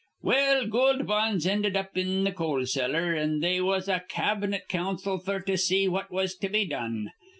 "Well, Goold Bonds ended up in th' coal cellar, an' they was a cab'net council f'r to see what was to be done.